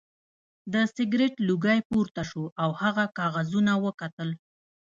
د سګرټ لوګی پورته شو او هغه کاغذونه وکتل